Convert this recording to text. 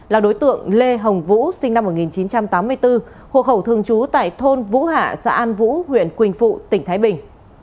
là đối tượng lê hồng vũ sinh năm một nghìn chín trăm tám mươi bốn hộ khẩu thường trú tại thôn vũ hạ xã an vũ huyện quỳnh phụ tỉnh thái bình